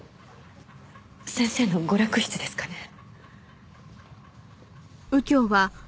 先生の娯楽室ですかね？